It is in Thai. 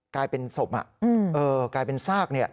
กลายเป็นสมกลายเป็นซาก